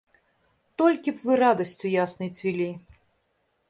Толькі б вы радасцю яснай цвілі.